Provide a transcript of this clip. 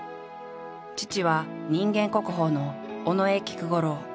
父は人間国宝の尾上菊五郎。